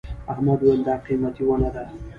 احمد وويل: دا قيمتي ونه ده.